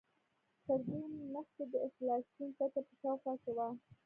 تر دې مخکې د انفلاسیون کچه په شاوخوا کې وه.